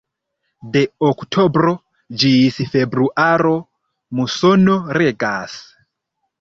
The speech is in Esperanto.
De oktobro ĝis februaro musono regas.